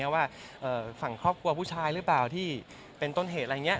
ว่าฝั่งครอบครัวผู้ชายหรือเปล่าที่เป็นต้นเหตุอะไรอย่างนี้